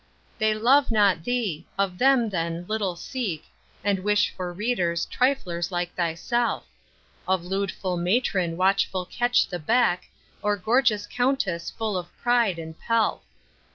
They love not thee: of them then little seek, And wish for readers triflers like thyself. Of ludeful matron watchful catch the beck, Or gorgeous countess full of pride and pelf.